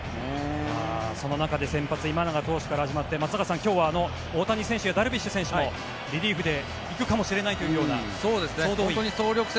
その中で先発、今永投手から始まって今日は大谷選手やダルビッシュ選手もリリーフで行くかもしれないという総動員。